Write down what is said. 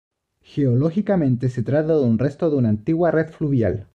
Geológicamente, se trata de un resto de una antigua red fluvial.